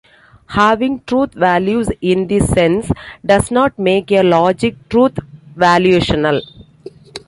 Having truth values in this sense does not make a logic truth valuational.